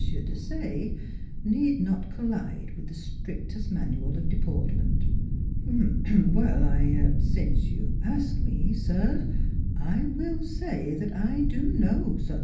Desaye need not collide with the strictest manual of deportment. " I er since you ask me, sir, I will say that I do know such a person.